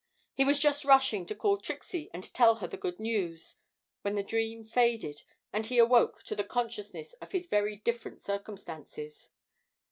He was just rushing to call Trixie, and tell her the good news, when the dream faded, and he awoke to the consciousness of his very different circumstances.